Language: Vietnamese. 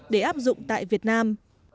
để áp dụng tại việt nam